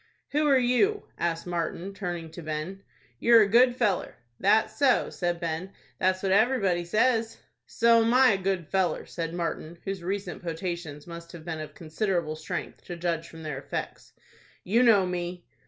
"Who are you?" asked Martin, turning to Ben. "You're a good feller." "That's so," said Ben. "That's what everybody says." "So'm I a good feller," said Martin, whose recent potations must have been of considerable strength, to judge from their effects. "You know me."